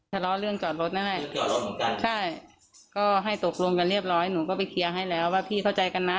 ทะเลาะเรื่องจอดรถแน่ใช่ก็ให้ตกลงกันเรียบร้อยหนูก็ไปเคลียร์ให้แล้วว่าพี่เข้าใจกันนะ